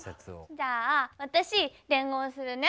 じゃあ私伝言するね。